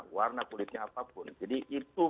warna kulitnya apapun jadi itu